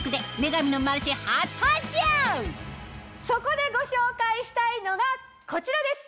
そこでご紹介したいのがこちらです。